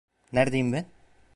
Neredeyim ben?